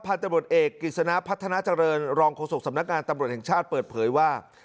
ตำรวจเอกกฤษณะพัฒนาเจริญรองโฆษกสำนักงานตำรวจแห่งชาติเปิดเผยว่า